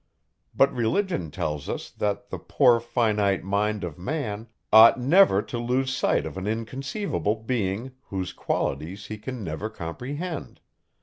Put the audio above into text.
But religion tells us, that the poor finite mind of man ought never to lose sight of an inconceivable being, whose qualities he can never comprehend.